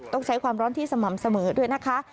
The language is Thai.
ต้องใช้ความร้อนที่สม่ำเสมอด้วยนะคะ